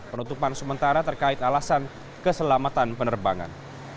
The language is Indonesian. penutupan sementara terkait alasan keselamatan penerbangan